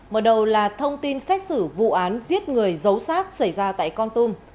mở đầu là thông tin xét xử vụ án giết người giấu sát xảy ra tại con tum